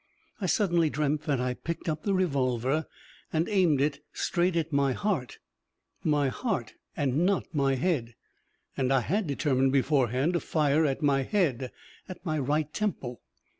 I suddenly dreamt that I picked up the revolver and aimed it straight at my heart my heart, and not my head; and I had determined beforehand to fire at my head, at my right temple.